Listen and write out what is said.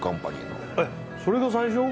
それが最初？